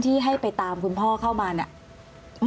ที่ให้ไปตามคุณพ่อเข้ามาเนี่ย